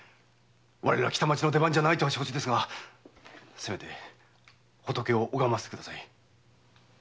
我ら北町の出番じゃないとは承知ですがせめて仏を拝ませてください。